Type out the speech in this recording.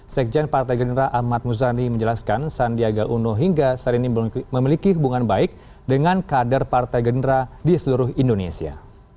sekjen partai gerindra ahmad muzani menjelaskan sandiaga uno hingga saat ini belum memiliki hubungan baik dengan kader partai gerindra di seluruh indonesia